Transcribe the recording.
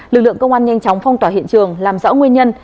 lực lượng công an nhanh chóng phong tỏa hiện trường làm rõ nguyên nhân